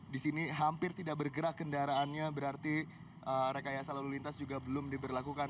di sini hampir tidak bergerak kendaraannya berarti rekayasa lalu lintas juga belum diberlakukan